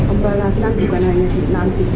pembalasan dimana nanti